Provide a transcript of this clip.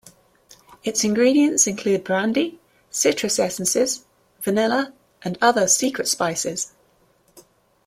Its ingredients include brandy, citrus essences, vanilla, and other secret spices.